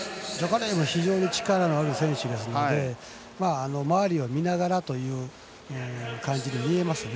玲も非常に力のある選手ですので周りを見ながらという感じに見えますね。